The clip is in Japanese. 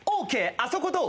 「あそこどう？